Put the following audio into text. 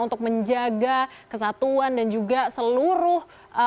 untuk menjaga kesatuan dan juga seluruh